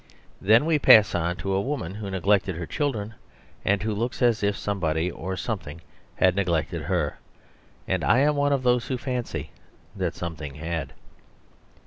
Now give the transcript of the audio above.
Then we pass on to a woman who neglected her children, and who looks as if somebody or something had neglected her. And I am one of those who fancy that something had.